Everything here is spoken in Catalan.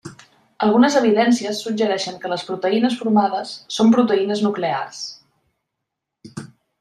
Algunes evidències suggereixen que les proteïnes formades són proteïnes nuclears.